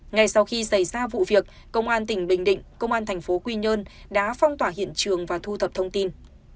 ngay sau khi xảy ra vụ việc công an tỉnh bình định công an thành phố quy nhơn đã phong tỏa hiện trường và thu thập thông tin